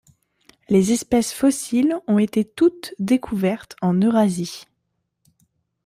Les espèces fossiles ont été toute découvertes en Eurasie.